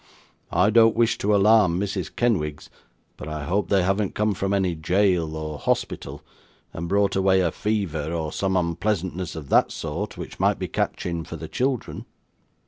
I don't wish to alarm Mrs. Kenwigs; but I hope they haven't come from any jail or hospital, and brought away a fever or some unpleasantness of that sort, which might be catching for the children.